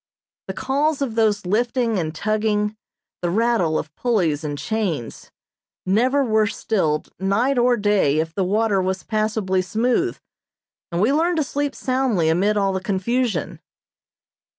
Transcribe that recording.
The calls of those lifting and tugging, the rattle of pulleys and chains, never were stilled night or day if the water was passably smooth, and we learned to sleep soundly amid all the confusion.